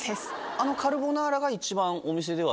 あのカルボナーラが一番お店では。